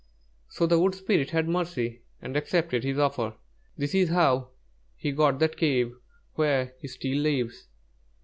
So the wood spirit had mercy and accepted his offer. That is how he got that cave where he still lives."